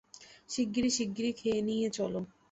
শিগগির শিগগির খেয়ে নিয়ে চলো।